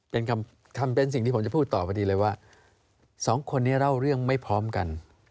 เป็นคำเป็นสิ่งที่ผมจะพูดต่อพอดีเลยว่าสองคนนี้เล่าเรื่องไม่พร้อมกัน